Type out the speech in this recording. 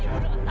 ibu doa tahan